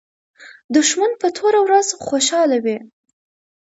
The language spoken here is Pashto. دښمن په توره ورځ خوشاله وي